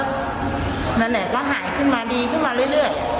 ครั้งแรกก็หายขึ้นมาดีขึ้นมาเรื่อย